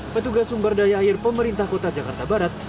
petugas sumber daya air pemerintah kota jakarta barat